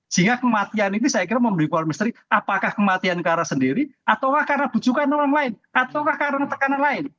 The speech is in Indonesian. sehingga kematian ini saya kira memiliki misteri apakah kematian kara sendiri atau karena bujukan orang lain atau karena tekanan lain